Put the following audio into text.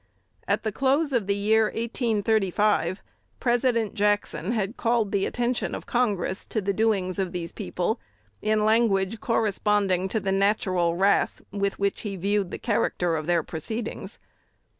At the close of the year 1835, President Jackson had called the attention of Congress to the doings of these people in language corresponding to the natural wrath with which he viewed the character of their proceedings.